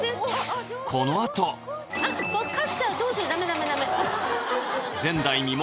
このあとあっ勝っちゃうどうしようダメダメダメ前代未聞！